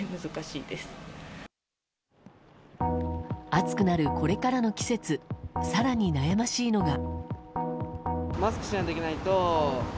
暑くなるこれからの季節更に悩ましいのが。